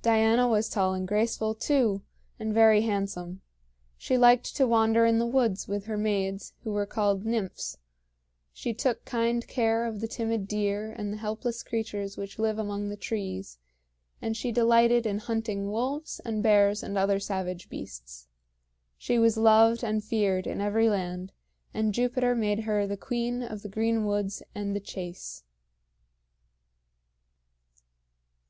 Diana was tall and graceful, too, and very handsome. She liked to wander in the woods with her maids, who were called nymphs; she took kind care of the timid deer and the helpless creatures which live among the trees; and she delighted in hunting wolves and bears and other savage beasts. She was loved and feared in every land, and Jupiter made her the queen of the green woods and the chase.